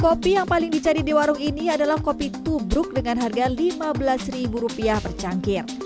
kopi yang paling dicari di warung ini adalah kopi tubruk dengan harga lima belas rupiah per cangkir